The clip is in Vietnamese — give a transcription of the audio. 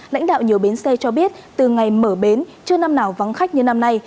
lãnh đạo nhiều bến xe cho biết từ ngày mở bến chưa năm nào vắng khách như năm nay